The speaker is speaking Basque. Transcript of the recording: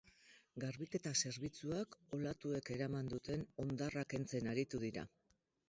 Garbiketa zerbitzuak olatuek eraman duten hondarra kentzen aritu dira.